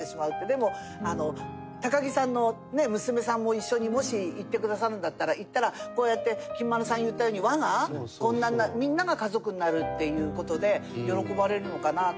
でも木さんのね娘さんも一緒にもし行ってくださるんだったら行ったらこうやってきみまろさんが言ったように輪がみんなが家族になるっていう事で喜ばれるのかなと。